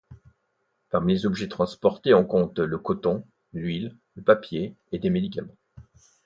Parmi les objets transportés, on compte le coton, l'huile, le papier et des médicaments.